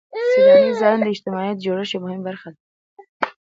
سیلاني ځایونه د اجتماعي جوړښت یوه مهمه برخه ده.